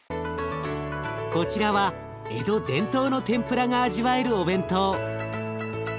こちらは江戸伝統の天ぷらが味わえるお弁当。